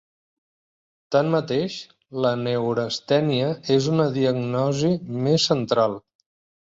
Tanmateix, la neurastènia és una diagnosi més central.